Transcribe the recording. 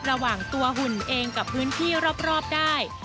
ระหว่างตัวหุ่นเองกับพื้นที่รอบได้